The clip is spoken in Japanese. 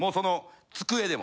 机でも。